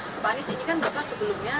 pak anies ini kan bapak sebelumnya